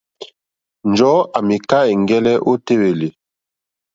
Njɔ̀ɔ́ à mìká ɛ̀ŋgɛ́lɛ́ ô téèlì.